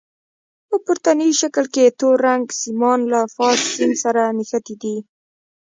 په پورتني شکل کې تور رنګ سیمان له فاز سیم سره نښتي دي.